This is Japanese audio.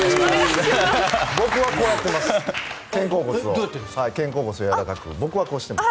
僕は肩甲骨をこうやってます。